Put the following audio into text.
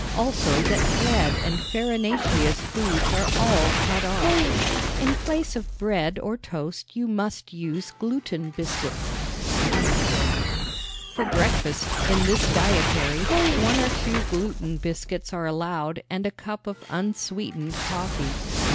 Also that bread and farinaceous foods are all cut off. In place of bread or toast you must use gluten biscuits." For breakfast, in this dietary, one or two gluten biscuits are allowed and a cup of unsweetened coffee.